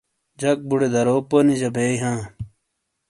جک بُوڑے درو پونیجا بیئی ہاں۔